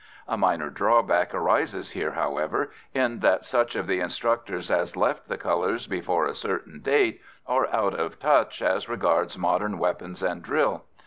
A minor drawback arises here, however, in that such of the instructors as left the colours before a certain date are out of touch as regards modern weapons and drill.